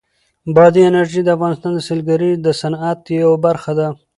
بادي انرژي د افغانستان د سیلګرۍ د صنعت یوه برخه ده.